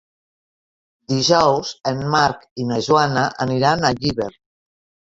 Dijous en Marc i na Joana aniran a Llíber.